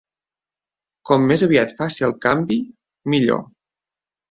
Com més aviat faci el canvi, millor.